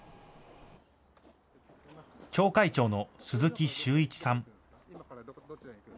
町会長の鈴木周一さん。